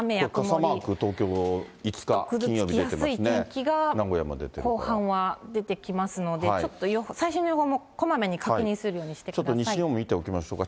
傘マーク、ぐずつきやすい天気が後半は出てきますので、ちょっと最新の予報もこまめに確認するようにし西日本も見ておきましょうか。